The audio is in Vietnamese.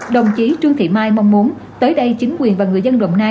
đồng chí trương thị mai mong muốn tới đây chính quyền và người dân đồng nai